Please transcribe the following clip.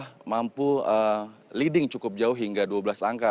mereka mampu leading cukup jauh hingga dua belas angka